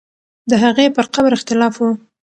د هغې پر قبر اختلاف وو.